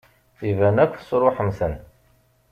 Iban akk tesṛuḥem-ten.